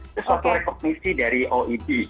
itu suatu rekognisi dari oed